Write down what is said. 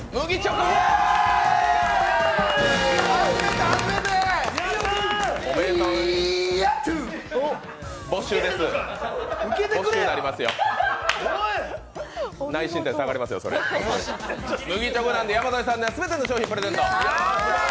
麦チョコなんで山添さんに全ての商品プレゼント。